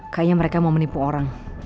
kayaknya mereka mau menipu orang